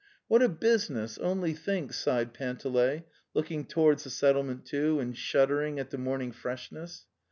'What a business, only think!" sighed Panteley, looking towards the settlement, too, and shuddering at the morning freshness.